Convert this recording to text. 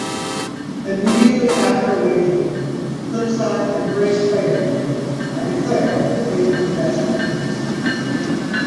Immediately after awakening, Flipside embraced Spider-Man and declared that they would be best friends.